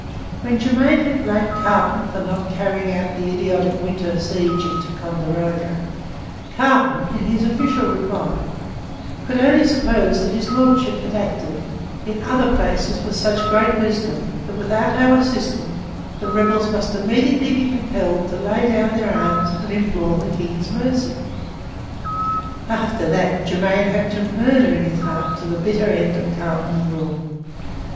When Germain had blamed Carleton for not carrying out the idiotic winter siege of Ticonderoga, Carleton, in his official reply, 'could only suppose' that His Lordship had acted 'in other places with such great wisdom that, without our assistance, the rebels must immediately be compelled to lay down their arms and implore the King's mercy.' After that Germain had murder in his heart to the bitter end of Carleton's rule.